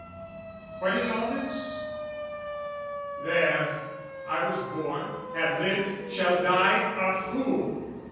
What is all this? There, I was born, have lived, shall die, a fool!